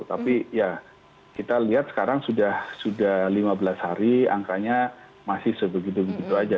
tapi ya kita lihat sekarang sudah lima belas hari angkanya masih sebegitu begitu saja